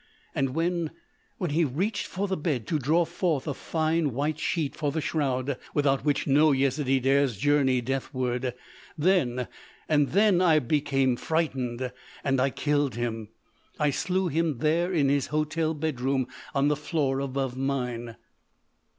And when—when he reached for the bed to draw forth a fine, white sheet for the shroud without which no Yezidee dares journey deathward—then—then I became frightened.... And I killed him—I slew him there in his hotel bedroom on the floor above mine!"